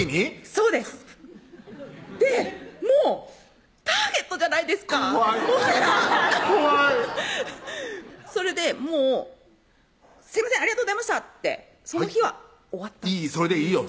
そうですでもうターゲットじゃないですか怖いもはや怖いそれでもう「すいませんありがとうございました」ってその日は終わったそれでいいよ